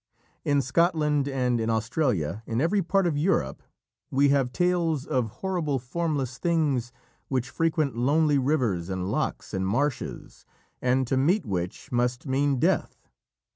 In Scotland and in Australia, in every part of Europe, we have tales of horrible formless things which frequent lonely rivers and lochs and marshes, and to meet which must mean Death.